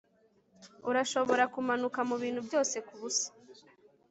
Urashobora kumanuka mubintu byose kubusa